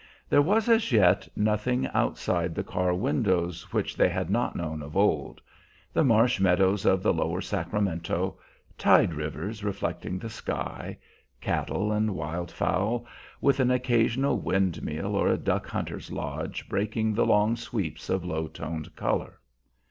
There was as yet nothing outside the car windows which they had not known of old, the marsh meadows of the Lower Sacramento, tide rivers reflecting the sky, cattle and wild fowl, with an occasional windmill or a duck hunter's lodge breaking the long sweeps of low toned color.